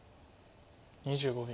２５秒。